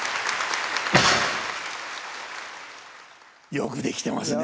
よく出来てますね。